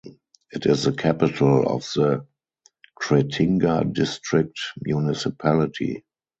It is the capital of the Kretinga district municipality.